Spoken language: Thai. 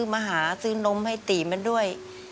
มาหาซื้อนมให้ตีมันด้วย